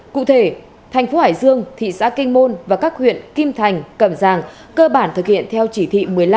cụ thể thành phố hải dương thị xã kinh môn và các huyện kim thành cẩm giang cơ bản thực hiện theo chỉ thị một mươi năm